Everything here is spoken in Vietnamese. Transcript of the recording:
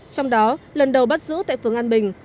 trong đó lần đầu bắt giữ tại phường an bình